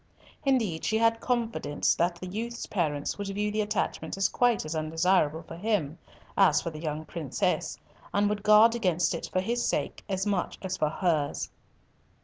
Indeed, she had confidence that the youth's parents would view the attachment as quite as undesirable for him as for the young princess, and would guard against it for his sake as much as for hers.